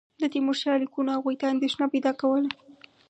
د تیمورشاه لیکونو هغوی ته اندېښنه پیدا کوله.